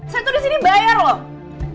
saya tuh disini bayar loh